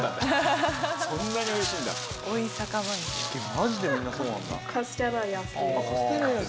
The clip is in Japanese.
「マジでみんなそうなんだ」